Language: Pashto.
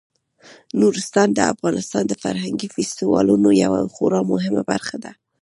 نورستان د افغانستان د فرهنګي فستیوالونو یوه خورا مهمه برخه ده.